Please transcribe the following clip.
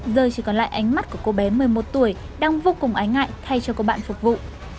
giờ chỉ còn lại ánh mắt của cô bé một mươi một tuổi đang vô cùng ái ngại thay cho cô bạn phục vụ